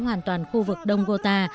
hoàn toàn khu vực đông gota